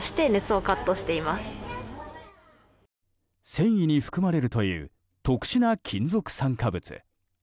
繊維に含まれるという特殊な金属酸化物。